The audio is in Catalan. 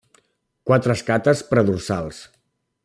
Quatre escates predorsals.